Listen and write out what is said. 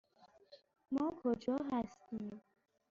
ما کجا هستیم؟